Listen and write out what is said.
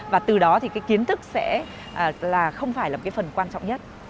và từ đó thì cái kiến thức sẽ là không phải là một cái phần quan trọng nhất